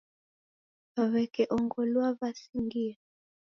W'eke ongolua w'asingie.